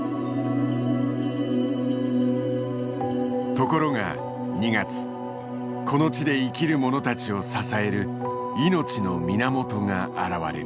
ところが２月この地で生きるものたちを支える命の源が現れる。